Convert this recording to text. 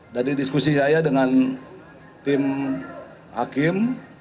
tadi diskusi saya dengan tim hakim